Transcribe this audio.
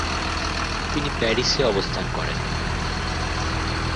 তিনি প্যারিসে অবস্থান করেন।